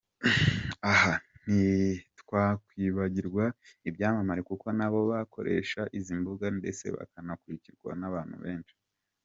Aha ntitwakwibagirwa ibyamamare kuko na bo bakoresha izi mbuga ndetse bakanakurikirwa n’abantu benshi.